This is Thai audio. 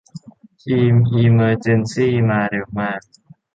ทีมอีเมอร์เจนซี่มาเร็วมาก